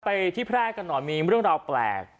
ไปที่แพร่กันหน่อยมีเรื่องราวแปลก